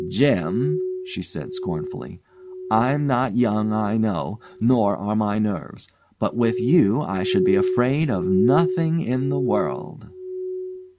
"Jim," she said scornfully, "I'm not young, I know, nor are my nerves; but with you I should be afraid of nothing in the world!"